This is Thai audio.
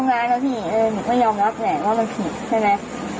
สังคมต้องร้านแล้วพี่หนูก็ยอมรับแหละว่ามันผิดใช่ไหม